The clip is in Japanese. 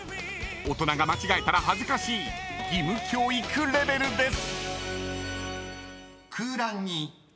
［大人が間違えたら恥ずかしい義務教育レベルです］